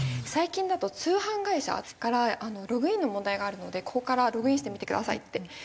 最近だと通販会社から「ログインの問題があるのでここからログインしてみてください」って。